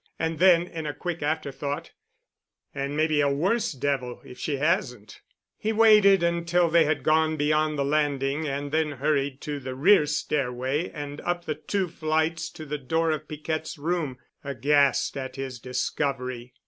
And then in a quick afterthought, "And maybe a worse devil—if she hasn't." He waited until they had gone beyond the landing and then hurried to the rear stairway and up the two flights to the door of Piquette's room—aghast at his discovery.